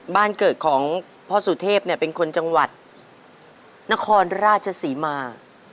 บ้านเกิดของพ่อสุเทพเนี่ยเป็นคนจังหวัดนครราชศรีมา